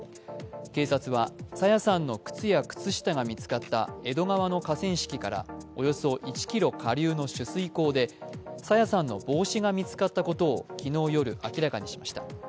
警察は朝芽さんの靴や靴下が見つかった江戸川の河川敷からおよそ１ｋｍ下流の取水口で朝芽さんの帽子が見つかったことを昨日夜、明らかにしました。